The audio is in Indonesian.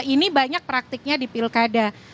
ini banyak praktiknya di pilkada